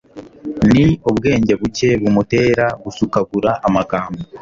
ni ubwenge buke bumutera gusukagura amagambo